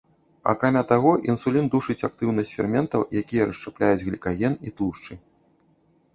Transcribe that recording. Акрамя таго, інсулін душыць актыўнасць ферментаў, якія расшчапляюць глікаген і тлушчы.